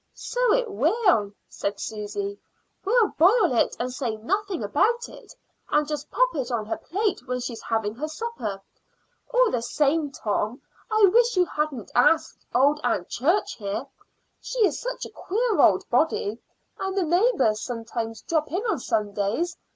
"So it will," said Susy. "We'll boil it and say nothing about it, and just pop it on her plate when she's having her supper. All the same, Tom, I wish you hadn't asked old Aunt Church here. She is such a queer old body; and the neighbors sometimes drop in on Sundays.